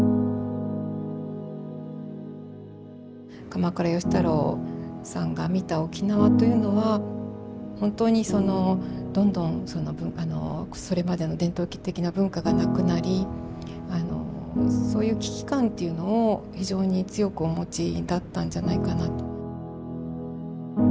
鎌倉芳太郎さんが見た沖縄というのは本当にそのどんどんそれまでの伝統的な文化がなくなりそういう危機感というのを非常に強くお持ちだったんじゃないかなと。